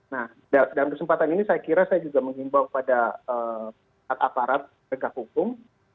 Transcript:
nah dalam kesempatan ini saya kira saya juga mengimbau pada aparat pegah hukum